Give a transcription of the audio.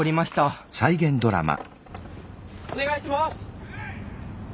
お願いします。